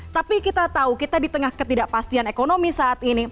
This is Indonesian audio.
tapi kita tahu kita di tengah ketidakpastian ekonomi saat ini